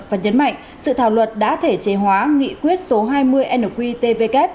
và nhấn mạnh sự thảo luật đã thể chế hóa nghị quyết số hai mươi nqtvk